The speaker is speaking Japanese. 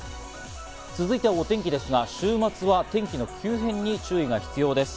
続いてはお天気ですが、週末は天気の急変に注意が必要です。